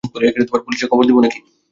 পুলিশে খবর দেব?